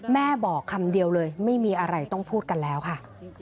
แม่บอกคำเดียวเลยไม่มีอะไรต้องพูดกันแล้วค่ะ